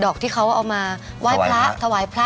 อกที่เขาเอามาไหว้พระถวายพระ